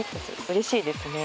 うれしいですね。